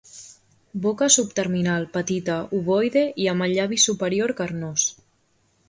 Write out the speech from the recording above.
Boca subterminal, petita, ovoide i amb el llavi superior carnós.